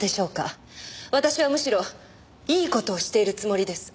私はむしろいい事をしているつもりです。